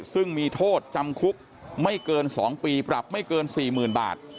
ซึ่งมีโทษจำคุกไม่เกิน๒ปีปรับไม่เกิน๔๐๐๐บาท